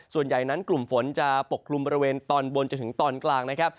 ส่วนใหญ่นั้นกลุ่มฝนจะปกคลุมบริเวณตอนบนจนถึงตอนกลางนะครับ